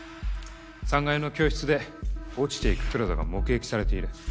３階の教室で落ちて行く黒田が目撃されている。